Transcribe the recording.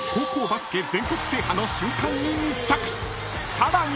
［さらに］